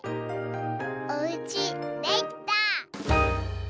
おうちできた！